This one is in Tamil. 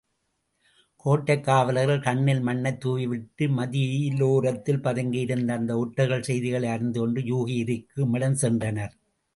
கோட்டைக் காவலர்கள் கண்ணில் மண்ணைத் தூவிவிட்டு மதிலோரத்தில் பதுங்கியிருந்த அந்த ஒற்றர்கள் செய்திகளை யறிந்துகொண்டு யூகி இருக்குமிடம் சென்றனர்.